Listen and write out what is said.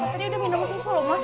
tadi udah minum susu loh mas